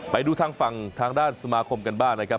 ไปดูทางฝั่งทางด้านสมาคมกันบ้างนะครับ